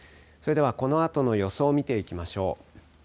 それではこのあとの予想を見ていきましょう。